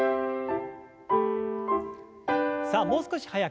さあもう少し速く。